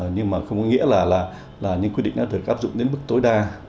nhưng mà không có nghĩa là những quy định đã được áp dụng đến mức tối đa